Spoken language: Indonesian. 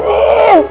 orangnya nggak ada